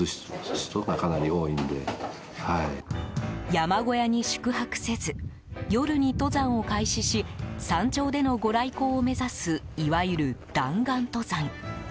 山小屋に宿泊せず夜に登山を開始し山頂でのご来光を目指すいわゆる弾丸登山。